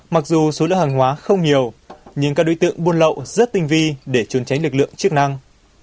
mặc dù số lượng hàng hóa không nhiều nhưng các đối tượng buôn lậu rất tinh vi để trốn tránh lực lượng chức năng